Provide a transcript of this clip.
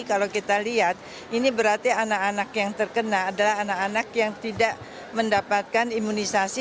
kalau kita lihat ini berarti anak anak yang terkena adalah anak anak yang tidak mendapatkan imunisasi